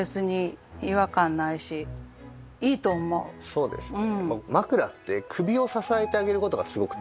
そうですね。